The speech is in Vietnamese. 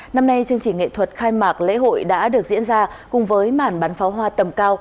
năm nay chương trình nghệ thuật khai mạc lễ hội đã được diễn ra cùng với màn bắn pháo hoa tầm cao